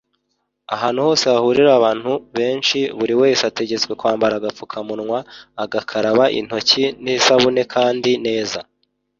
ahantu hose hahurira abantu benshi buri wese ategetswe kwambara agapfukamunwa agakaraba intoki n’isabune kandi neza.